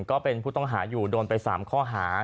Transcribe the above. ก็เป็นผู้ต้องหาอยู่โดนไป๓ข้อหา